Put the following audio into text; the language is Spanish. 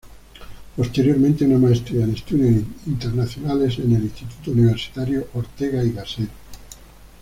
Posteriormente una maestría en estudios internacionales en el Instituto Universitario Ortega y Gasset.